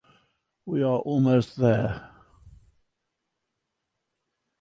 We are almost there.